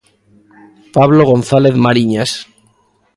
Pablo González Mariñas.